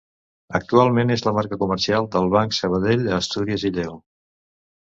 Actualment és la marca comercial del Banc Sabadell a Astúries i Lleó.